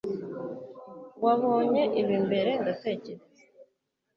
wabonye ibi mbere, ndatekereza